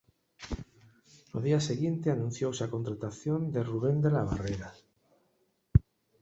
Ao día seguinte anunciouse a contratación de Rubén de la Barrera.